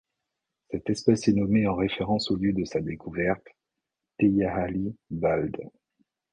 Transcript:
Cette espèce est nommée en référence au lieu de sa découverte, Teyahalee Bald.